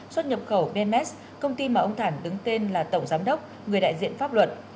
xuất nhập khẩu bms công ty mà ông thản đứng tên là tổng giám đốc người đại diện pháp luật